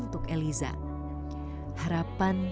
nikiti parigi bapak